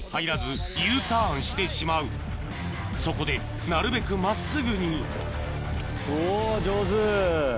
そこでなるべく真っすぐにおぉ上手。